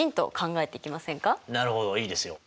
なるほどいいですよ。